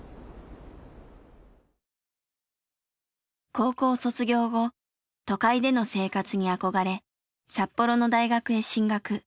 高校卒業後都会での生活に憧れ札幌の大学へ進学。